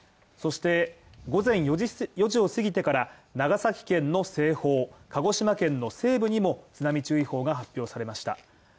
そして、午前４時４時を過ぎてから長崎県の西方、鹿児島県の西部にも津波注意報が発表されました。